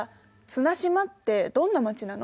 綱島ってどんな街なの？